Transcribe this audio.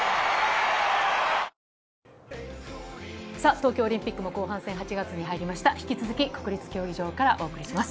東京オリンピックも後半戦、８月に入りました。